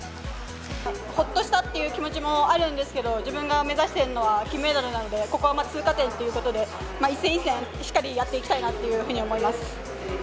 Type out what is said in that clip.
ほっとしたっていう気持ちもあるんですけど、自分が目指してるのは金メダルなので、ここは通過点ということで、一戦一戦しっかりやっていきたいなというふうに思います。